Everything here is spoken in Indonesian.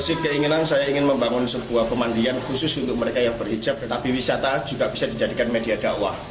masih keinginan saya ingin membangun sebuah pemandian khusus untuk mereka yang berhijab tetapi wisata juga bisa dijadikan media dakwah